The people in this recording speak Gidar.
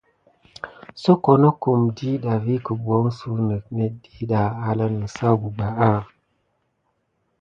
Soko nokum ɗiɗɑ vi guboho suyune net ɗiɗa alan nisaku bebaya.